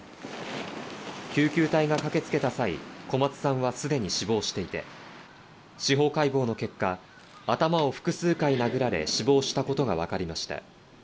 救急隊が駆けつけた際、小松さんはすでに死亡していて、司法解剖の結果、頭を複数回殴られ、死亡したことが分かりました。